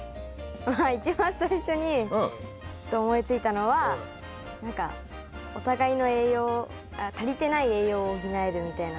まあ一番最初にちょっと思いついたのは何かお互いの栄養足りてない栄養を補えるみたいな感じ。